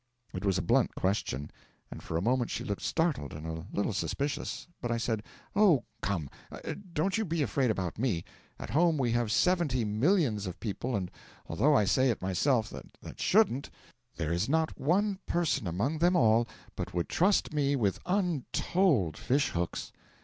It was a blunt question, and for a moment she looked startled and a little suspicious, but I said: 'Oh, come, don't you be afraid about me. At home we have seventy millions of people, and although I say it myself that shouldn't, there is not one person among them all but would trust me with untold fish hooks.'